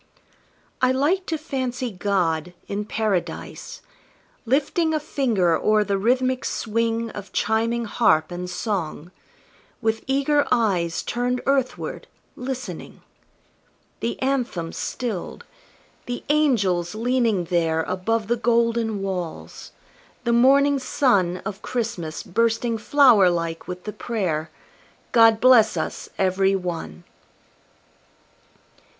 I like to fancy God, in Paradise, Lifting a finger o'er the rhythmic swing Of chiming harp and song, with eager eyes Turned earthward, listening The Anthem stilled the angels leaning there Above the golden walls the morning sun Of Christmas bursting flower like with the prayer, "God bless us Every One!"